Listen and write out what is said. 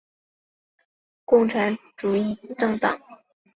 革新共产主义生态左翼是希腊的一个已不存在的共产主义政党。